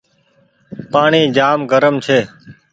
پآڻيٚ جآم گرم ڇي۔